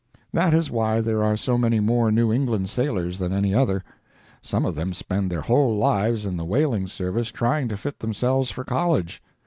That is why there are so many more New England sailors than any other. Some of them spend their whole lives in the whaling service trying to fit themselves for college.